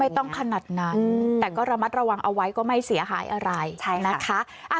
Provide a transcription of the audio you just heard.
ต้องขนาดนั้นแต่ก็ระมัดระวังเอาไว้ก็ไม่เสียหายอะไรนะคะ